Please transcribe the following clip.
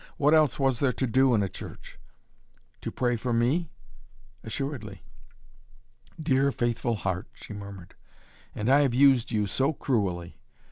"What else was there to do in a church?" "To pray for me?" "Assuredly." "Dear, faithful heart," she murmured. "And I have used you so cruelly.